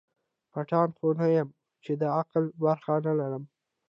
پتڼ خو نه یم چي د عقل برخه نه لرمه